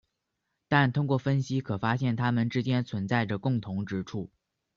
但通过分析可发现它们之间存在着共同之处。